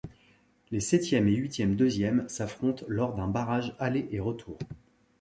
Les septième et huitième deuxièmes s'affrontent lors d'un barrage aller et retour.